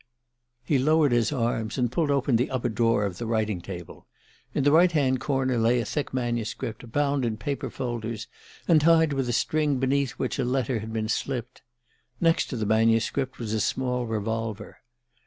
He lowered his arms and pulled open the upper drawer of the writing table. In the right hand corner lay a thick manuscript, bound in paper folders, and tied with a string beneath which a letter had been slipped. Next to the manuscript was a small revolver.